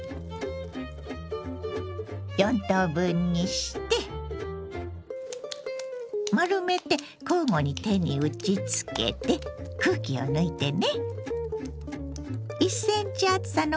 ４等分にして丸めて交互に手に打ちつけて空気を抜いてね。